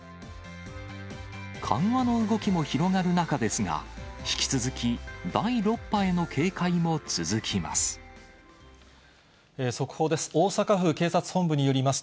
緩和の動きも広がる中ですが、引き続き第６波への警戒も続きます。